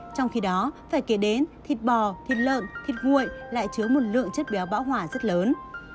trong khi đó phải kể đến thịt bò thịt lợn thịt nguội lại chứa một lượng chất béo bão hỏa rất lớn